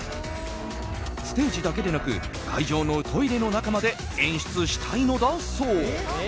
ステージだけでなく会場のトイレの中まで演出したいのだそう。